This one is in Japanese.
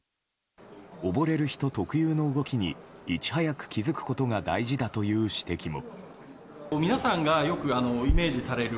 溺れる人特有の動きにいち早く気づくことが大事だという指摘も。